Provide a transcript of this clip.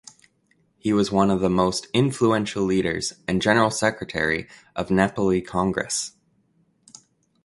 He was one of the most influential leaders and General Secretary of Nepali Congress.